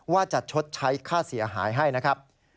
ว่าจะชดใช้ค่าเสียหายให้นะครับ